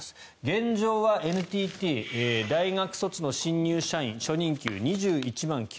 現状はＮＴＴは大学卒の新入社員初任給２１万９０００円